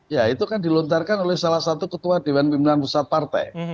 ya itu kan dilontarkan oleh salah satu ketua dewan pimpinan pusat partai